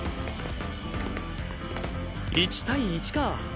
１対１か。